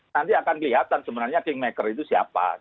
nanti akan kelihatan sebenarnya kingmaker itu siapa